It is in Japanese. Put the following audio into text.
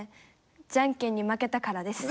じゃんけんに負けたからです。